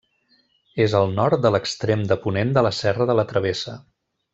És al nord de l'extrem de ponent de la Serra de la Travessa.